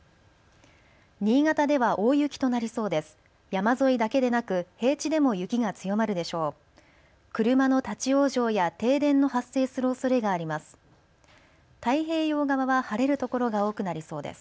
新潟では大雪となりそうです。